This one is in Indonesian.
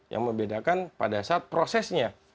yang membedakan pada saat prosesnya